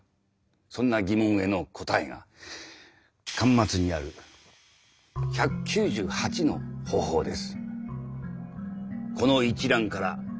そんな疑問への答えが巻末にある１９８の方法です。